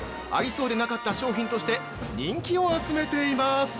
ありそうでなかった商品として人気を集めています。